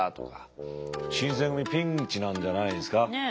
新選組ピンチなんじゃないですか？